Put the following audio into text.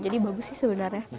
jadi bagus sih sebenarnya